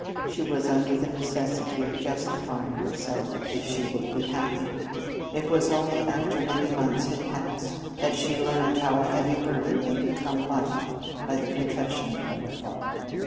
She was under the necessity of justifying herself if she would be happy. It was only after many months had passed that she learned how a heavy burden may become light by the confession of a fault.